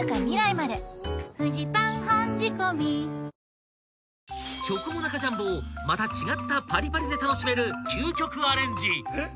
「もったいないをほっとけない」［チョコモナカジャンボをまた違ったパリパリで楽しめる究極アレンジ］